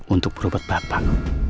untuk perubat bapak